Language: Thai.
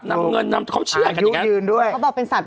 นำเงินเขาเชื่อขันอย่างนั้น